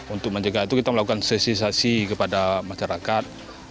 untuk menjaga itu kita melakukan sesisasi kepada masyarakat